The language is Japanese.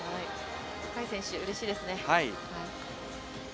若い選手うれしいですね。